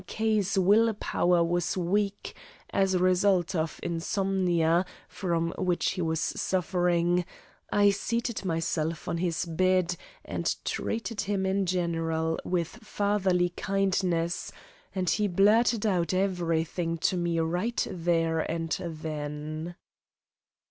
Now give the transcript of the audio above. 's will power was weak, as a result of insomnia, from which he was suffering, I seated myself on his bed and treated him in general with fatherly kindness, and he blurted out everything to me right there and then.